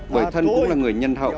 bởi thân cũng là người nhân hậu